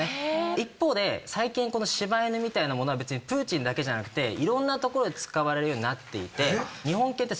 一方で最近この柴犬みたいなものは別にプーチンだけじゃなくていろんなところで使われるようになっていて日本犬ってすごい人気なんです。